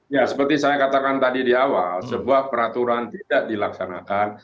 ya seperti saya katakan tadi di awal sebuah peraturan tidak dilaksanakan